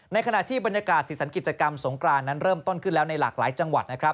ในขณะที่บรรยากาศศีลศัลกิจกรรมสงครานเริ่มต้นขึ้นแล้วในหลากหลายจังหวัด